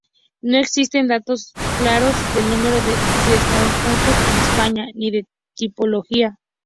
No existen datos claros del número de desahucios en España ni de su tipología.